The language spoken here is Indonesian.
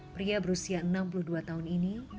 pria berusia enam puluh dua tahun ini